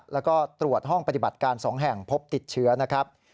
แล้วก็ตรวจห้องปฏิบัติการ๒แห่งพบติดเชื้อนะครับ